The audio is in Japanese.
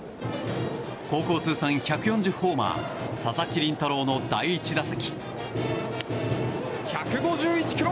高校通算１４０ホーマー佐々木麟太郎の第１打席。